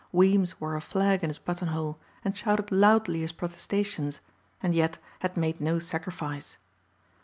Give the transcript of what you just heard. Weems wore a flag in his buttonhole and shouted loudly his protestations and yet had made no sacrifice.